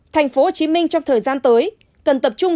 tp hcm trong thời gian tới cần tập trung